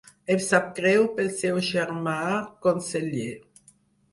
Em sap greu pel seu germà, conseller.